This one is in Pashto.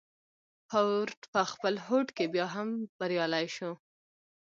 فورډ په خپل هوډ کې بيا هم بريالی شو.